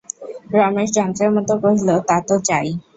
রমেশ যন্ত্রের মতো কহিল, তা তো চাই।